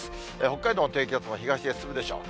北海道の低気圧も東へ進むでしょう。